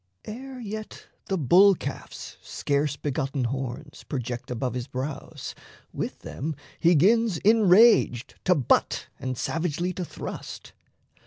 Ere yet the bull calf's scarce begotten horns Project above his brows, with them he 'gins Enraged to butt and savagely to thrust.